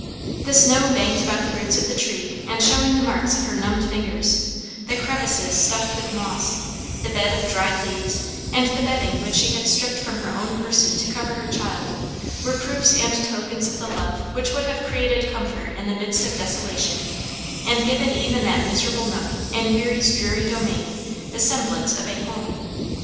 The snow banked about the roots of the tree and showing the marks of her numbed fingers, the crevices stuffed with moss, the bed of dried leaves and the bedding which she had stripped from her own person to cover her child, were proofs and tokens of the love which would have created comfort in the midst of desolation and given even that miserable nook in winter's dreary domain the semblance of a home.